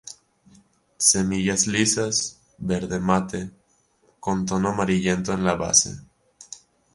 Semillas lisas, verde mate, con tono amarillento en la base.